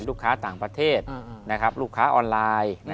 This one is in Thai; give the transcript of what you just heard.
ลูกค้าต่างประเทศลูกค้าออนไลน์